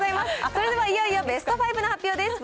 それではいよいよベスト５の発表です。